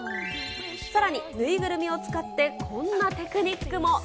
さらに、縫いぐるみを使ってこんなテクニックも。